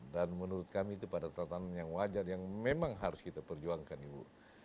dan menurut kami itu pada tatanan yang wajar yang memang harus kita perjuangkan ibu